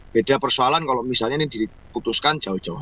beda persoalan kalau misalnya ini diputuskan jauh jauh